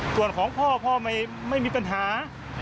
ส่วนของพ่อพ่อไม่มีปัญหา